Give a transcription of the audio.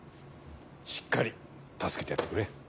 しっかり助けてやってくれ。